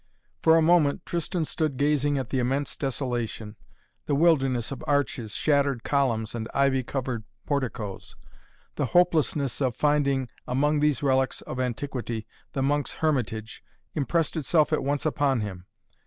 For a moment Tristan stood gazing at the immense desolation, the wilderness of arches, shattered columns and ivy covered porticoes. The hopelessness of finding among these relics of antiquity the monk's hermitage impressed itself at once upon him.